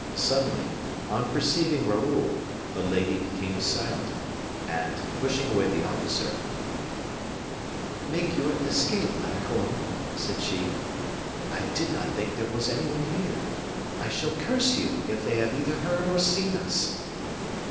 Suddenly, on perceiving Raoul, the lady became silent, and pushing away the officer: "Make your escape, Malicorne," said she; "I did not think there was any one here. I shall curse you, if they have either heard or seen us!"